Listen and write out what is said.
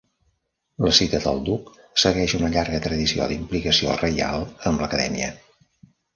La cita del duc segueix una llarga tradició d'implicació reial amb l'acadèmia.